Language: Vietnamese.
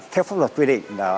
theo pháp luật quy định